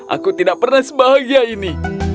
aku tidak pernah sebahagia ini